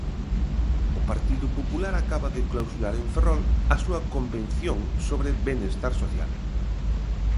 O Partido Popular acaba de clausurar en Ferrol a súa convención sobre Benestar Social.